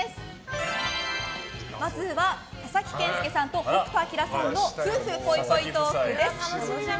まずは佐々木健介さんと北斗晶さんの夫婦ぽいぽいトークです。